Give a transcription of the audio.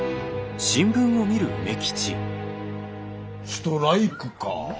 ストライクか。